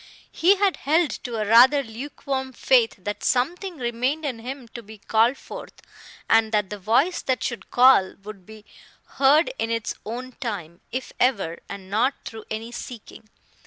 He had held to a rather lukewarm faith that something remained in him to be called forth, and that the voice that should call would be heard in its own time, if ever, and not through any seeking.